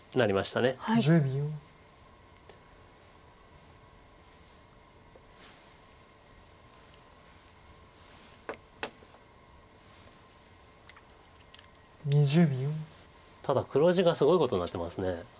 ただ黒地がすごいことになってます。